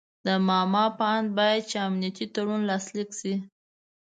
د ماما په آند باید چې امنیتي تړون لاسلیک شي.